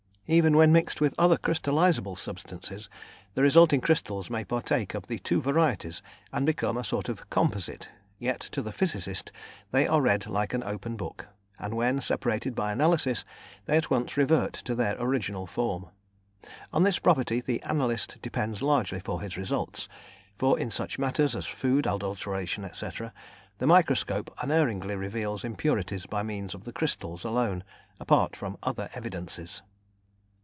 Even when mixed with other crystallisable substances, the resulting crystals may partake of the two varieties and become a sort of composite, yet to the physicist they are read like an open book, and when separated by analysis they at once revert to their original form. On this property the analyst depends largely for his results, for in such matters as food adulteration, etc., the microscope unerringly reveals impurities by means of the crystals alone, apart from other evidences.